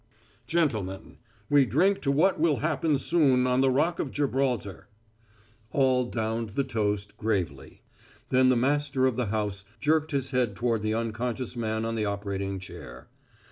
"Gentlemen, we drink to what will happen soon on the Rock of Gibraltar!" All downed the toast gravely. Then the master of the house jerked his head toward the unconscious man on the operating chair.